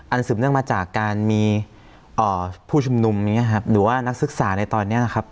อันสึมเนื่องมาจากการมีผู้ชุมนุมหรือว่านักศึกษาในตอนนี้นะครับ